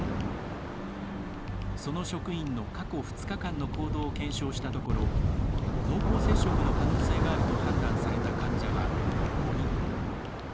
その職員の過去２日間の行動を検証したところ濃厚接触の可能性があると判断された患者は５人。